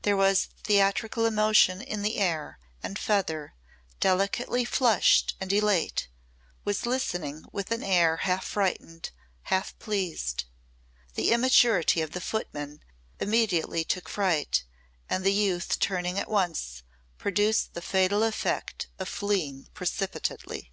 There was theatrical emotion in the air and Feather, delicately flushed and elate, was listening with an air half frightened, half pleased. The immaturity of the footman immediately took fright and the youth turning at once produced the fatal effect of fleeing precipitately.